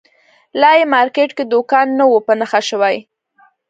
لا یې مارکېټ کې دوکان نه وو په نښه شوی.